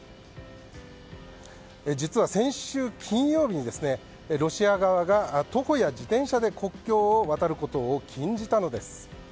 実は先週金曜日に、ロシア側が徒歩や自転車で国境を渡ることを禁じたのです。